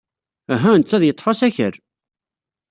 Uhu, netta ad yeḍḍef asakal.